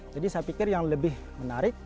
jadi saya pikir yang lebih menarik